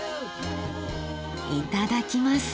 いただきます。